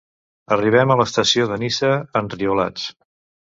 Arribem a l'estació de Niça enriolats.